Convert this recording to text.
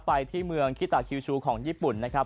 ไปที่เมืองคิตาคิวชูของญี่ปุ่นนะครับ